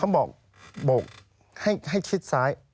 เขาบอกให้ชิดซ้าย